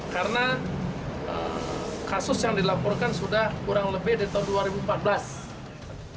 karena kasus yang dilaporkan sudah kurang lebih di tahun dua ribu empat belas